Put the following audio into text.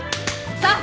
さあ！